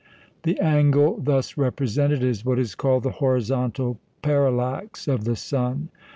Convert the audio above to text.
The angle thus represented is what is called the "horizontal parallax" of the sun.